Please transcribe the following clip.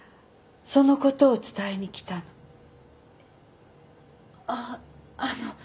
そのことを伝えに来たの。